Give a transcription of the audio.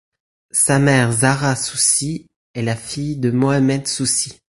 Sa mère Zahra Soussi est la fille de Mohamed Soussi.